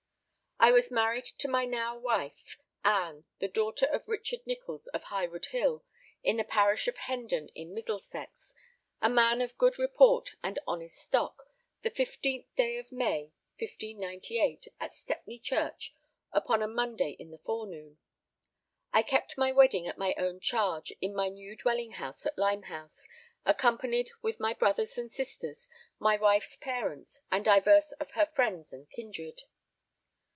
I was married to my now wife Ann, the daughter of Richard Nicholls of Highwood Hill in the parish of Hendon in Middlesex, a man of good report and honest stock, the 15th day of May 1598 at Stepney Church upon a Monday in the forenoon. I kept my wedding at my own charge in my new dwelling house at Limehouse, accompanied with my brothers and sisters, my wife's parents, and divers of her friends and kindred.